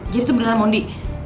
jadi itu beneran mondi